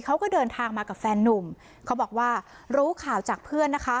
เขาก็เดินทางมากับแฟนนุ่มเขาบอกว่ารู้ข่าวจากเพื่อนนะคะ